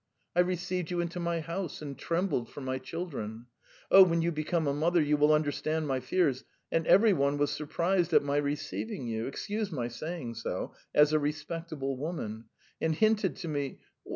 ... I received you into my house and trembled for my children. Oh, when you become a mother, you will understand my fears. And every one was surprised at my receiving you, excuse my saying so, as a respectable woman, and hinted to me